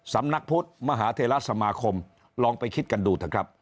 สำนักพุทธมหาเทราสมาคมลองไปคิดกันดูเถอะครับ